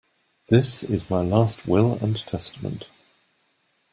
This is my last will and testament.